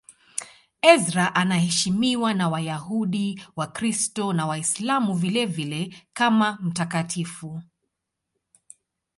Ezra anaheshimiwa na Wayahudi, Wakristo na Waislamu vilevile kama mtakatifu.